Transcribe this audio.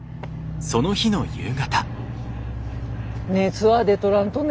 熱は出とらんとね？